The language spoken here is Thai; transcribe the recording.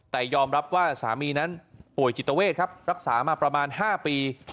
แต่ยอมรับว่าสามีนั้นป่วยจิตเวทครับรักษามาประมาณ๕ปี